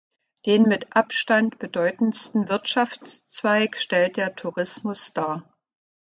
Den mit Abstand bedeutendsten Wirtschaftszweig stellt der Tourismus dar.